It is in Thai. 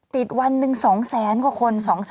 ติดวันหนึ่ง๒แสนกว่าคน